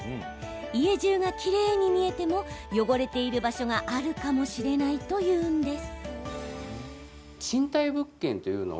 家じゅうがきれいに見えても汚れている場所があるかもしれないというんです。